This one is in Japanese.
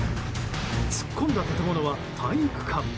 突っ込んだ建物は体育館。